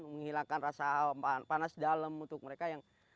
menghilangkan rasa panas dalam untuk mereka yang